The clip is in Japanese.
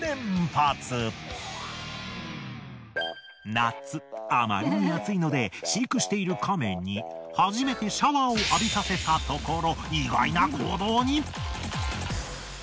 夏あまりに暑いので飼育しているカメに初めてシャワーを浴びさせたところ。